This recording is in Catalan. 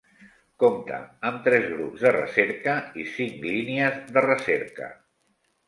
Compta amb tres grups de recerca i cinc línies de recerca.